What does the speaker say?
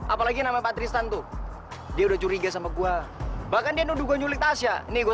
apalagi nama patristan tuh dia udah curiga sama gua bahkan dia nuduh gua nyulik tasya nih gua